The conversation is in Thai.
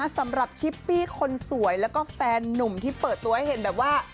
สำหรับชิปปี้คนสวยแล้วก็แฟนนุ่มที่เปิดตัวให้เห็นแบบว่า